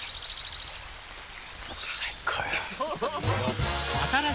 最高よ。